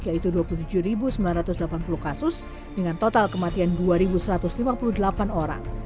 yaitu dua puluh tujuh sembilan ratus delapan puluh kasus dengan total kematian dua satu ratus lima puluh delapan orang